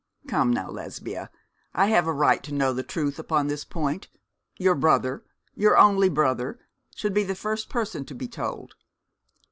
'Come now, Lesbia, I have a right to know the truth upon this point. Your brother your only brother should be the first person to be told.'